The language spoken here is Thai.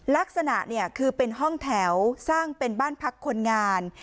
ลักษณะเนี่ยคือเป็นห้องแถวสร้างเป็นบ้านพักคนงาน